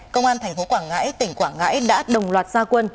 công an tp quảng ngãi tỉnh quảng ngãi đã đồng loạt gia quân